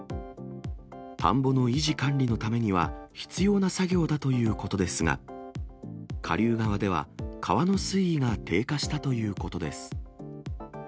田んぼの維持管理のためには、必要な作業だということですが、下流側では川の水位が低下したということです。